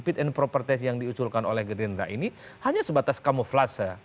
fit and proper test yang diusulkan oleh gerindra ini hanya sebatas kamuflase